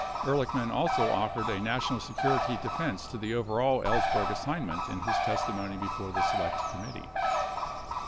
12 Ehrlichman also offered a national security defense to the overall Ellsberg assignment in his testimony before the Select Committee.